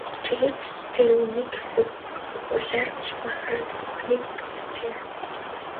Тэгээд ч тэр үү, нэг хэсэг улайрч махраад бүхнийг мартжээ.